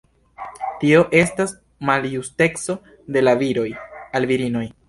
Tio estas maljusteco de la viroj al virinoj.